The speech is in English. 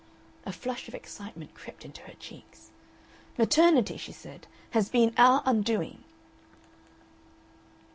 A flush of excitement crept into her cheeks. "Maternity," she said, "has been our undoing."